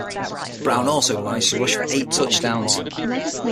Brown also managed to rush for eight touchdowns.